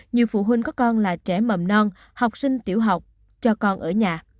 nhiều phụ huynh có con là trẻ mầm non học sinh tiểu học cho con ở nhà